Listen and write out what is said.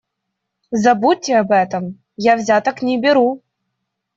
Забудьте об этом - я взяток не беру.